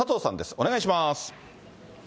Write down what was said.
お願いします。